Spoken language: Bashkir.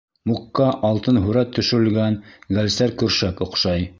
Мукҡа алтын һүрәт төшөрөлгән гәлсәр көршәк оҡшай.